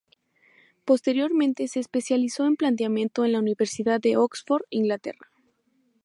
Posteriormente se especializó en planeamiento en la Universidad de Oxford, Inglaterra.